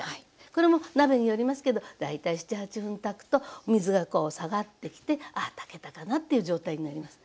これも鍋によりますけど大体７８分炊くと水がこう下がってきてああ炊けたかなっていう状態になります。